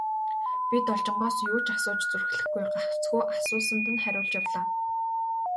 Би Должингоос юу ч асууж зүрхлэхгүй, гагцхүү асуусанд нь хариулж явлаа.